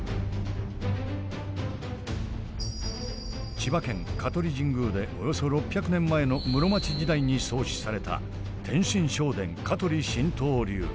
千葉県香取神宮でおよそ６００年前の室町時代に創始された天真正伝香取神道流。